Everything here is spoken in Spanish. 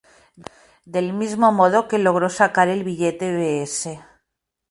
Del mismo modo que logró sacar el billete Bs.